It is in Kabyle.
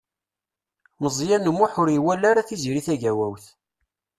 Meẓyan U Muḥ ur iwala ara Tiziri Tagawawt.